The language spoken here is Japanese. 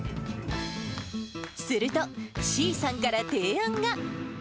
すると、ｓｅａさんから提案が。